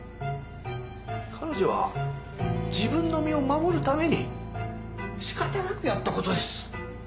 彼女は自分の身を守るために仕方なくやった事です。